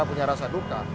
punya rasa duka